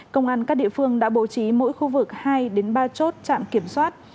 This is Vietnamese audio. công an các địa phương đã bố trí mỗi khu vực hai ba chốt trạm kiểm soát